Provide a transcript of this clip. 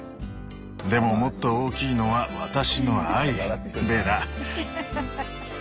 でももっと大きいのは私の愛。ベラ」。